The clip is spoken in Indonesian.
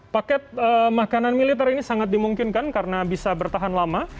paket makanan militer ini sangat dimungkinkan karena bisa bertahan lama